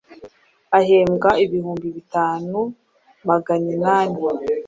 ahembwa ibihumbi bitanu maganinani